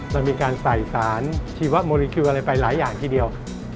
มันมีการใส่สารชีวะโมรีคิวอะไรไปหลายอย่างทีเดียว